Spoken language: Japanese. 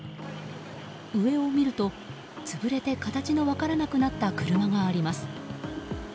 上を見ると潰れて形の分からなくなった車があります。